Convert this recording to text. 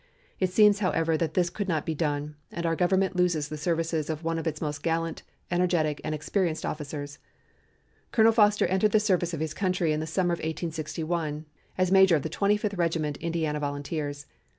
It seems, however, that this could not be done, and our Government loses the services of one of its most gallant, energetic, and experienced officers. Colonel Foster entered the service of his country in the summer of 1861, as major of the Twenty fifth Regiment Indiana Volunteers.